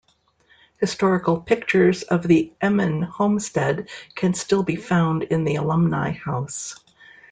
Historical pictures of the Emin Homestead can still be found in the Alumni house.